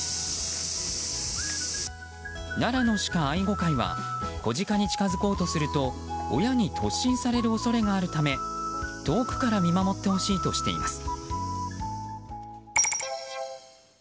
奈良の鹿愛護会は子ジカに近づこうとすると親に突進される恐れがあるため遠くから見守ってほしいとしています。